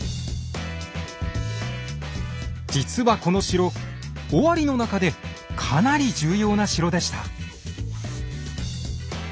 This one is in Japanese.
実はこの城尾張の中でかなり重要な城でした。